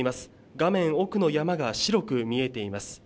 画面奥の山が白く見えています。